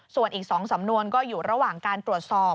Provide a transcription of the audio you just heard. ส่วนอีก๒สำนวนก็อยู่ระหว่างการตรวจสอบ